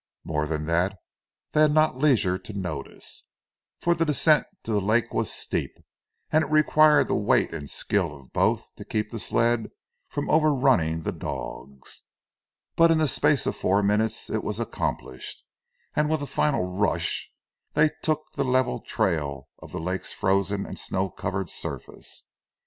More than that they had not leisure to notice, for the descent to the lake was steep, and it required the weight and skill of both to keep the sled from overrunning the dogs, but in the space of four minutes it was accomplished, and with a final rush they took the level trail of the lake's frozen and snow covered surface.